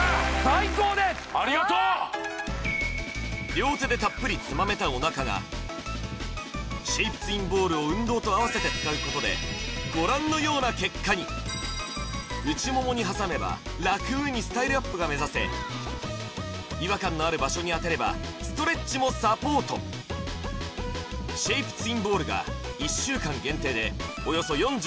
最高ですありがとう両手でたっぷりつまめたおなかがシェイプツインボールを運動とあわせて使うことでご覧のような結果に内ももに挟めばラクにスタイルアップが目指せ違和感のある場所にあてればストレッチもサポートシェイプツインボールが１週間限定でおよそ４６％